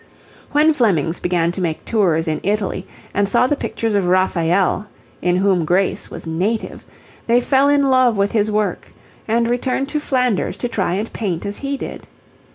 When Flemings began to make tours in Italy and saw the pictures of Raphael, in whom grace was native, they fell in love with his work and returned to Flanders to try and paint as he did.